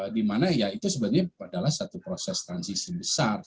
dimana yaitu sebenarnya adalah satu proses transisi besar